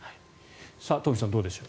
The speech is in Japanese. トンフィさん、どうでしょう。